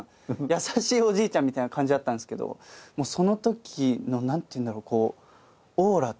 優しいおじいちゃんみたいな感じだったんですけどそのときの何ていうんだろうこうオーラっていうか。